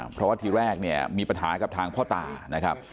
เพราะว่าทีแรกเนี่ยมีปัญหากับทางพ่อตานะครับ